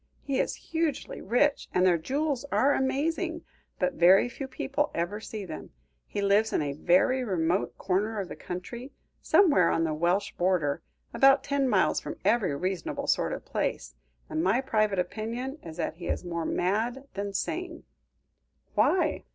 He is hugely rich, and their jewels are amazing, but very few people ever see them. He lives in a very remote corner of the country, somewhere on the Welsh border, about ten miles from every reasonable sort of place, and my private opinion is that he is more mad than sane." "Why?"